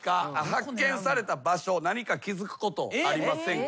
発見された場所何か気付くことありませんか？